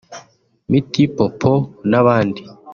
Mighty Popo n’abandi